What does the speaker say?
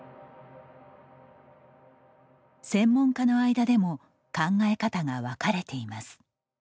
専門家の間でも考え方が分かれています。